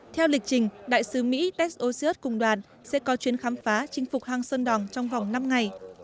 theo lịch trình đại sứ mỹ ted osius cùng đoàn sẽ có chuyến khám phá chinh phục hang sơn đỏng trong vòng năm ngày